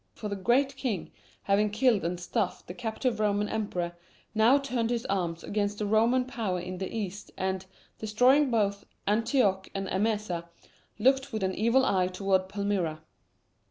For the "Great King," having killed and stuffed the captive Roman Emperor, now turned his arms against the Roman power in the east and, destroying both Antioch and Emesa, looked with an evil eye toward Palmyra.